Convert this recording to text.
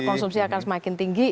konsumsi akan semakin tinggi